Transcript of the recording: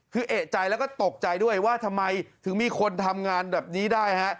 คือเอกใจแล้วก็ตกใจด้วยว่าทำไมถึงมีคนทำงานแบบนี้ได้ฮะ